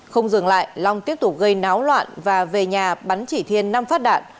không dừng lại long tiếp tục gây náo loạn và về nhà bắn chỉ thiên năm phát đạn